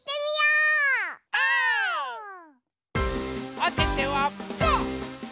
おててはパー！